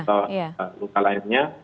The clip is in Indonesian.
atau luka lainnya